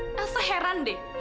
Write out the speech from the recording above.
aduh elsa heran deh